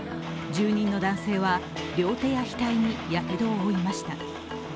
住人の男性は、両手や額にやけどを負いました。